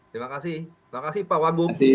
terima kasih terima kasih pak wagub